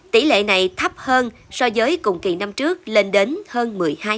tỷ lệ này thấp hơn so với cùng kỳ năm trước lên đến hơn một mươi hai